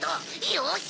よし！